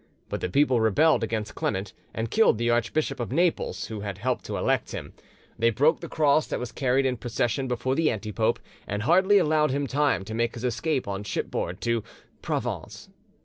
But the people rebelled against Clement, and killed the Archbishop of Naples, who had helped to elect him: they broke the cross that was carried in procession before the anti pope, and hardly allowed him time to make his escape on shipboard to Provence.